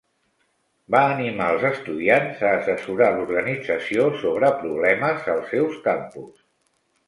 Va animar els estudiants a assessorar l'organització sobre problemes als seus campus.